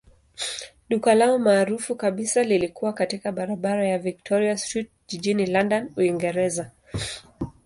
Duka lao maarufu kabisa lilikuwa katika barabara ya Victoria Street jijini London, Uingereza.